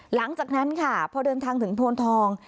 หลังจากนั้นค่ะพอเดินทางถึงโพนทอง